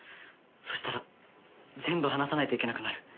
そしたら全部話さないといけなくなる。